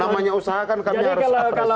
namanya usaha kan kami harus